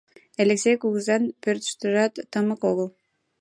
Элексей кугызан пӧртыштыжат тымык огыл.